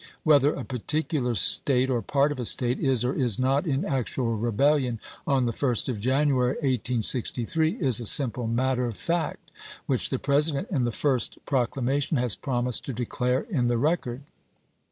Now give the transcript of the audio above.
Whether a particular State or part of a State is or is not in actual rebellion on the 1st of January, 1863, is a suuple matter of fact which the President in the first proc lamation has promised to declare in the record.